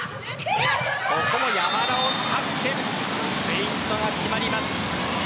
ここも山田を使ってフェイントが決まります。